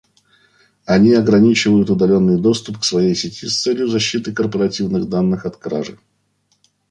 Они ограничивают удаленный доступ к своей сети с целью защиты корпоративных данных от кражи